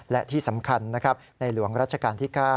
และที่สำคัญนะครับในหลวงรัชกาลที่๙